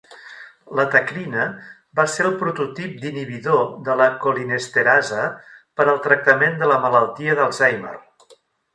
La tacrina va ser el prototip d'inhibidor de la colinesterasa per al tractament de la malaltia d'Alzheimer.